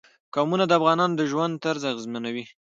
قومونه د افغانانو د ژوند طرز اغېزمنوي.